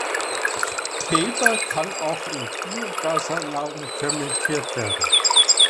Treber kann auch in Biogasanlagen fermentiert werden.